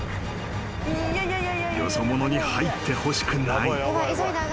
［よそ者に入ってほしくない］